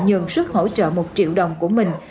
nhường sức hỗ trợ một triệu đồng của mình